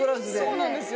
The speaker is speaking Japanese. そうなんですよ。